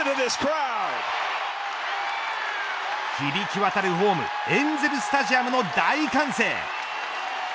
響きわたるホームエンゼル・スタジアムの大歓声。